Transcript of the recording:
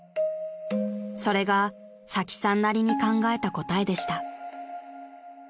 ［それがサキさんなりに考えた答えでした］